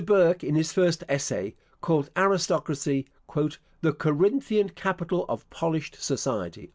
Burke, in his first essay, called aristocracy "the Corinthian capital of polished society."